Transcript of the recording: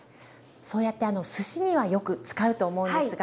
そうやってすしにはよく使うと思うんですが。